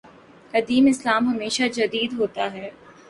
قدیم اسلام ہمیشہ جدید ہوتا ہے۔